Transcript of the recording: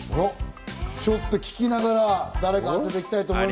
ちょっと聞きながら、誰か当てて行こうと思います。